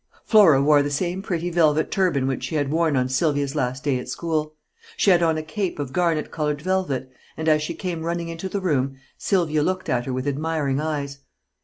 Flora wore the same pretty velvet turban which she had worn on Sylvia's last day at school. She had on a cape of garnet colored velvet, and as she came running into the room Sylvia looked at her with admiring eyes.